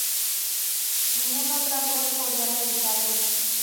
Ningún otro avión podía realizar esto.